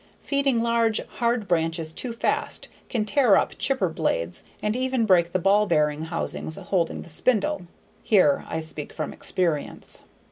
Feeding large hard branches too fast can tear up chipper blades and even break the ball bearing housings holding the spindle. Here I speak from experience.